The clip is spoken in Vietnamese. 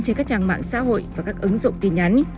trên các trang mạng xã hội và các ứng dụng tin nhắn